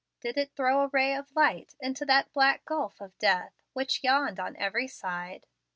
Did it throw a ray of light into that black gulf of death, which yawned on every side?